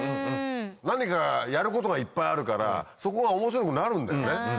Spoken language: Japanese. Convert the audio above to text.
何かやることがいっぱいあるからそこが面白くなるんだよね。